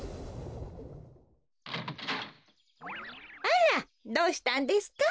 あらどうしたんですか？